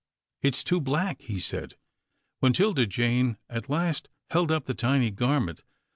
" It's too black," he said, when 'Tilda Jane at last held up the tiny garment.